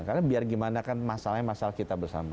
karena biar gimana kan masalahnya masalah kita bersama